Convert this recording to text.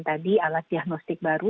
tadi alat diagnostik baru